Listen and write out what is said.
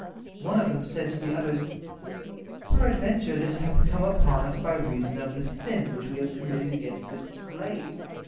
One of them said to the others: "Peradventure this hath come upon us by reason of the sin which we have committed against this slave.